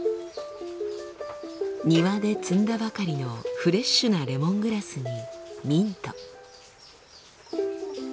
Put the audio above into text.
庭で摘んだばかりのフレッシュなレモングラスにミント。